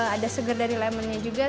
ada seger dari lemonnya juga